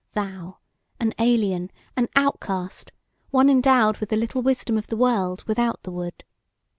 Thou, an alien, an outcast; one endowed with the little wisdom of the World without the Wood!